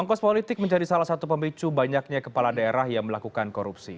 ongkos politik menjadi salah satu pemicu banyaknya kepala daerah yang melakukan korupsi